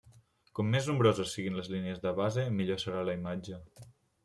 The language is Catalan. Com més nombroses siguin les línies de base, millor serà la imatge.